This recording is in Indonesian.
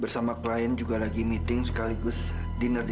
sampai jumpa di video selanjutnya